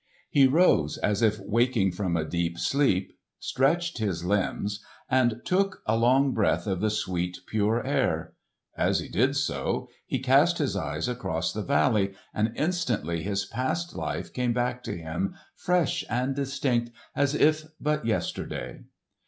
He rose as if waking from a deep sleep, stretched his limbs and took a long breath of the sweet pure air. As he did so he cast his eyes across the valley and instantly his past life came back to him fresh and distinct as if but yesterday.